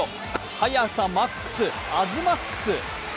速さマックス、アズマックス。